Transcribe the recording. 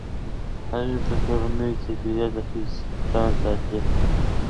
هغې د کورني چاپیریال د حفظ الصحې پام ساتي.